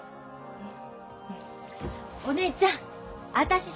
うん。